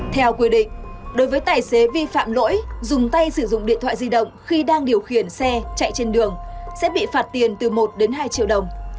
theo quy định đối với tài xế vi phạm lỗi dùng tay sử dụng điện thoại di động khi đang điều khiển xe chạy trên đường sẽ bị phạt tiền từ một đến hai triệu đồng